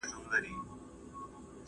پټه خزانه د پښتو ژبې د بقا ثبوت دی.